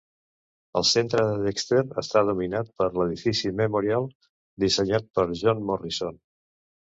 El centre de Dexter està dominat per l'Edifici Memorial, dissenyat per John Morrison.